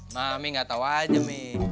mami gak tau aja mi